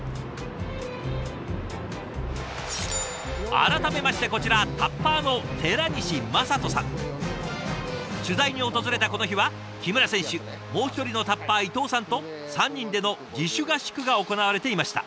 改めましてこちら取材に訪れたこの日は木村選手もう一人のタッパー伊藤さんと３人での自主合宿が行われていました。